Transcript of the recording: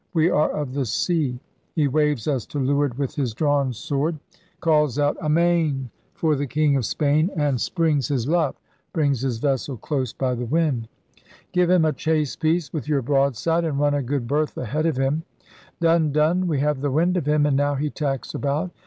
'We are of the Sea!' He waves us to leeward with his drawn sword. LIFE AFLOAT IN TUDOR TIMES 45 calls out * Amain' for the King of Spain, and springs his luff [brings his vessel close by the wind]. *Give him a chase piece with your broadside, and run a good berth a head of him!* *Done, done!' *We have the wind of him, and now he tacks about!'